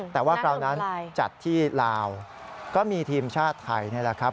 แต่ว่าคราวนั้นจัดที่ลาวก็มีทีมชาติไทยนี่แหละครับ